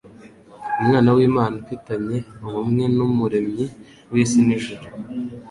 Umwana w'Imana ufitanye ubumwe n'Umuremyi w'isi n'ijuru.